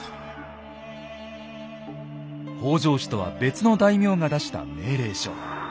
北条氏とは別の大名が出した命令書。